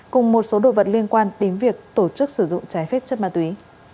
cùng một số đồ vật liên quan đến việc tổ chức sử dụng trái phép chất ma túy